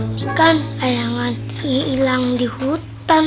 ini kan tayangan hilang di hutan